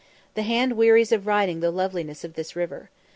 The hand wearies of writing of the loveliness of this river.